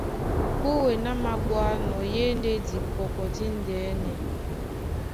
Púe ná māɓwánɔ́ í e ndé dipɔkɔ díndɛ́nɛ.